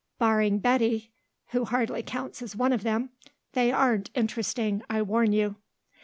Barring Betty, who hardly counts as one of them, they aren't interesting, I warn you."